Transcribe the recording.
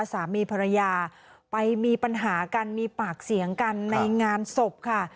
สามีภรรยาไปมีปัญหากันมีปากเสียงกันในงานศพค่ะ